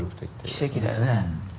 奇跡だよね。